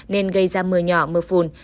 nên gây ra mưa nhỏ mưa phùn